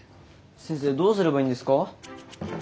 先生どうすればいいんですか？